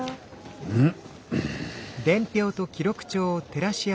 うん。